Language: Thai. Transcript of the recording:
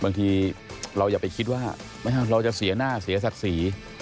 บางทีเราอย่าไปคิดว่าเราสืบหน้าเสียสักสี